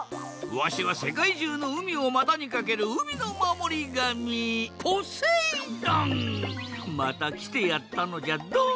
わしはせかいじゅうのうみをまたにかけるうみのまもりがみまたきてやったのじゃドン！